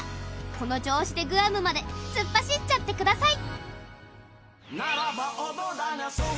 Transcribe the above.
この調子でグアムまで突っ走っちゃってください！